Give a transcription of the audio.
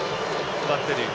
バッテリー。